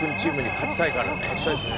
勝ちたいですね。